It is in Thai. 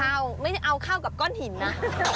ข้าวไม่เอาข้าวกับก้อนหินนะ